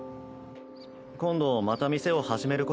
今度また店を始めることにしたんで